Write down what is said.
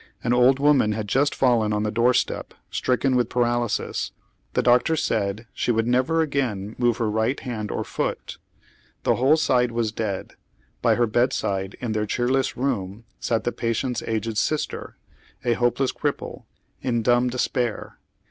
An old woman had just fallen on the doorstep, stricken with paralysis. The doctor said she would never again move her right hand or foot. The whole side was dead. By her bedside, in tlieir cheerless room, sat the patient's aged sister, a hopeless cripple, in dumb despair.